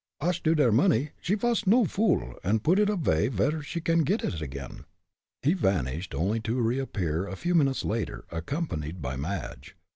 Ash to der money, she vas no fool, und put it avay vere she can get it again." He vanished, only to reappear a few minutes later, accompanied by Madge.